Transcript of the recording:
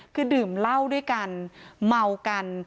คือดื่มเหล้าด้วยกันเมากัน